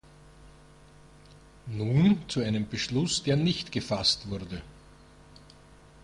Nun zu einem Beschluss, der nicht gefasst wurde.